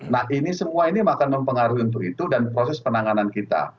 nah ini semua ini akan mempengaruhi untuk itu dan proses penanganan kita